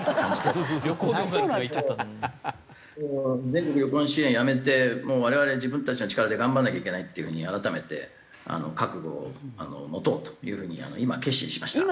全国旅行支援やめてもう我々自分たちの力で頑張んなきゃいけないっていう風に改めて覚悟を持とうという風に今決心しました。